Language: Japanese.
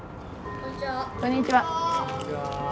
こんにちは。